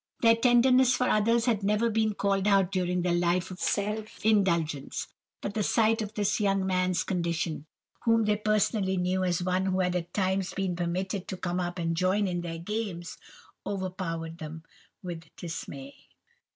Their tenderness for others had never been called out during their life of self indulgence, but the sight of this young man's condition, whom they personally knew as one who had at times been permitted to come up and join in their games, over powered them with dismay.